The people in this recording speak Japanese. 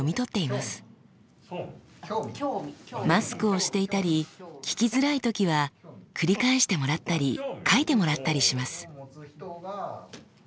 マスクをしていたり聞きづらい時は繰り返してもらったり書いてもらったりします。